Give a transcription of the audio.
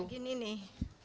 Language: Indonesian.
seperti ini nih